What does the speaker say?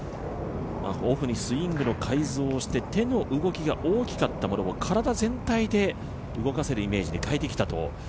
オフにスイングの改造をして、手の動きが大きかったものを体全体で動かせるイメージに変えてきたと。